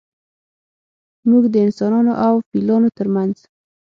موږ د انسانانو او فیلانو ترمنځ